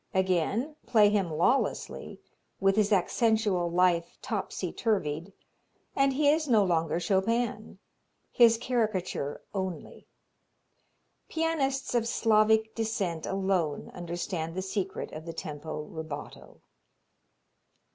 Again play him lawlessly, with his accentual life topsy turvied, and he is no longer Chopin his caricature only. Pianists of Slavic descent alone understand the secret of the tempo rubato.